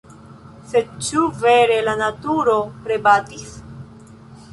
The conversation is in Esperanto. Sed ĉu vere la naturo rebatis?